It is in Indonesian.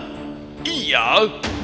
aku akan menangkap putri